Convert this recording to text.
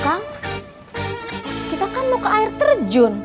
kang kita kan mau ke air terjun